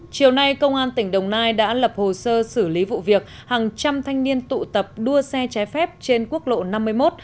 chiều nay công an tỉnh đồng nai đã lập hồ sơ xử lý vụ việc hàng trăm thanh niên tụ tập đua xe trái phép trên quốc lộ năm mươi một